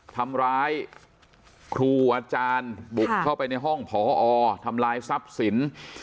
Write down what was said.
ทำร้ายครูอาจารย์บุกเข้าไปในห้องพอทำลายทรัพย์สิน